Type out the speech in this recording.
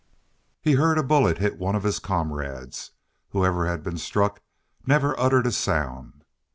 He heard a bullet hit one of his comrades. Whoever had been struck never uttered a sound.